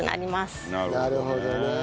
なるほどね。